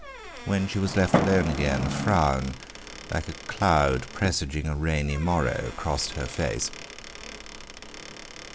When she was left alone again, a frown, like a cloud presaging a rainy morrow, crossed her face.